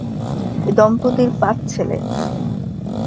এ দম্পতির পাঁচ ছেলে।